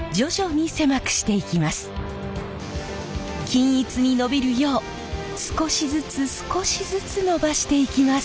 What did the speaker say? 均一にのびるよう少しずつ少しずつのばしていきます。